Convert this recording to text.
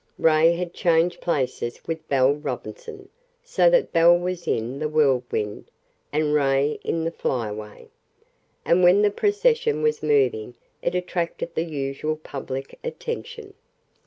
Ray had changed places with Belle Robinson, so that Belle was in the Whirlwind and Ray in the Flyaway, and when the procession was moving it attracted the usual public attention.